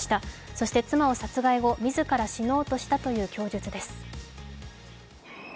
そして妻を殺害後、自ら死のうとしたという供述です。